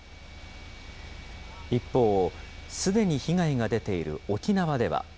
一方、すでに被害が出ている沖縄では。